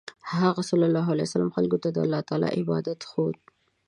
هغه ﷺ خلکو ته د الله عبادت ښوود.